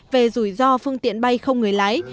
về rủi ro phương tiện bay không người lái